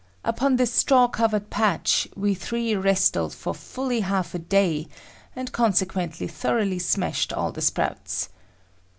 Upon this straw covered patch, we three wrestled for fully half a day, and consequently thoroughly smashed all the sprouts.